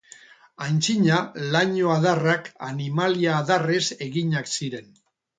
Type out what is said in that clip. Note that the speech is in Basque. Aintzina laino-adarrak animalia-adarrez eginak ziren.